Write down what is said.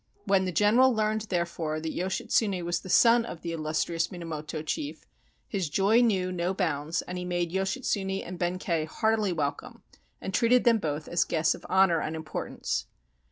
When the general learned, therefore, that Yoshitsune was the son of the illustrious Minamoto chief, his joy knew no bounds, and he made Yoshitsune and Benkei heartily welcome and treated them both as guests of honor and importance.